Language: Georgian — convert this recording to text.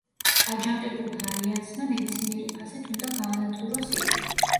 აჯანყებულთა ალიანსმა ნებისმიერი ფასით უნდა გაანადგუროს ის.